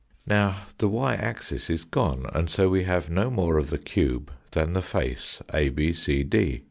Now the y axis is gone, and fo we have no more of the cube than the face ABCD.